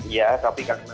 ya tapi karena